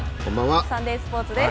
サンデースポーツです。